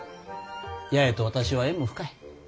八重と私は縁も深い。